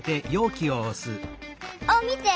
あっみて！